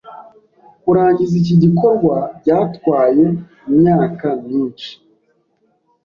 Kurangiza iki gikorwa byatwaye imyaka myinshi.